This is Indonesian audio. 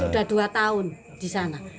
sudah dua tahun di sana